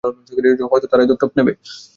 হয়তো তারাই দত্তক নেবে।